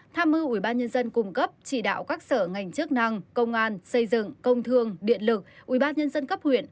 tham mưu ubnd cung cấp chỉ đạo các sở ngành chức năng công an xây dựng công thương điện lực ubnd cấp huyện